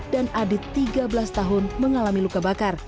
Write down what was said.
dan adit tiga belas tahun mengalami luka bakar